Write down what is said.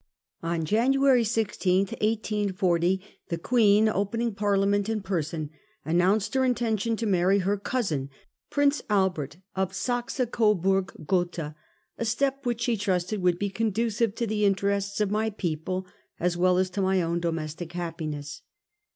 On January 16, 1840, the Queen, opening Parlia ment in person, announced her intention to marry her cousin, Prince Albert of Saxe Coburg Gotha — a step which she trusted would he ' conducive to the interests of my people as well as to my 1 own domestic happiness.